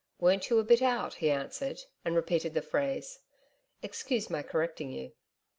'Weren't you a bit out?' he answered, and repeated the phrase. 'Excuse my correcting you.'